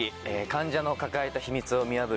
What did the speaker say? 患者の抱えた秘密を見破る